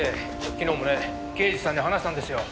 昨日もね刑事さんに話したんですよ。